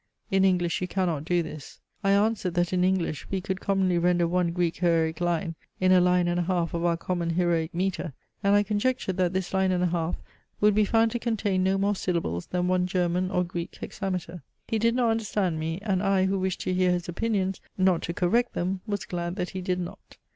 In English you cannot do this. I answered, that in English we could commonly render one Greek heroic line in a line and a half of our common heroic metre, and I conjectured that this line and a half would be found to contain no more syllables than one German or Greek hexameter. He did not understand me : and I, who wished to hear his opinions, not to correct them, was glad that he did not.